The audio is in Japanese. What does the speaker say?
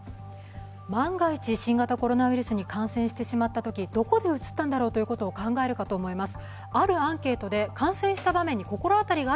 万が一、新型コロナウイルスに感染してしまったときに、どこでうつったのかと考えるかと思います。